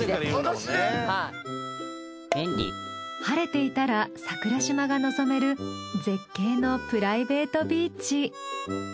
晴れていたら桜島が望める絶景のプライベートビーチ。